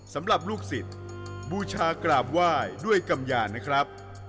สำหรับลูกศิษย์บูชากราบไหว้ด้วยกำยานะครับ